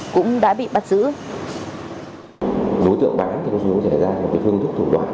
cũng đã bị bắt giữ